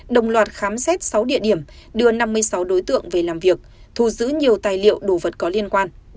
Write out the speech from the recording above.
đồng loạt khám xét sáu địa điểm đưa năm mươi sáu đối tượng về làm việc thu giữ nhiều tài liệu đồ vật có liên quan